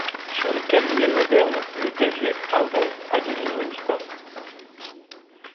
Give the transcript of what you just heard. Sur les câbliers modernes le davier avant a de nouveau disparu.